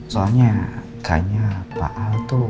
soalnya kayaknya pak alde